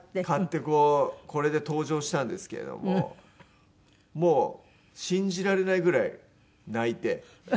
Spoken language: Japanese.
買ってこうこれで登場したんですけれどももう信じられないぐらい泣いて。